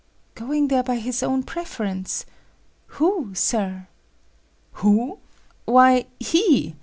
"Going there by his own preference? Who, Sir?" "Who? Why, he!